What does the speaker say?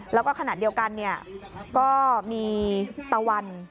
แล้วก็ขณะเดียวกันก็มีตะวัน